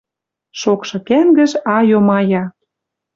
Шокшы кӓнгӹж айом ая —